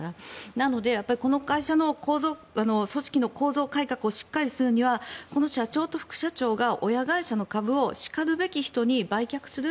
なので、この会社の組織の構造改革をしっかりするにはこの社長と副社長が親会社の株をしかるべき人に売却する。